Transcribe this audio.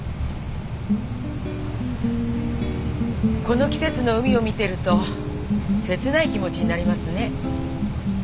この季節の海を見てると切ない気持ちになりますね。